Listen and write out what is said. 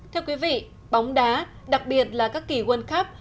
theo quý vị bóng đá đặc biệt là các kỳ quân khắp